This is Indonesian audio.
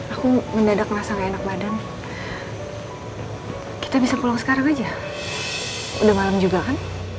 aku mendadak masa nggak enak badan kita bisa pulang sekarang aja udah malam juga kan